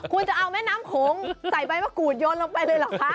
คุณจะเอาแม่น้ำโขงใส่ใบมะกรูดโยนลงไปเลยเหรอคะ